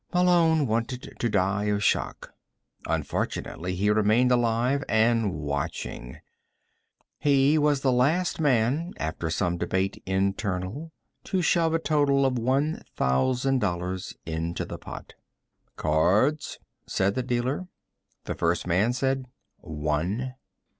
Malone wanted to die of shock. Unfortunately, he remained alive and watching. He was the last man, after some debate internal, to shove a total of one thousand dollars into the pot. "Cards?" said the dealer. The first man said: "One."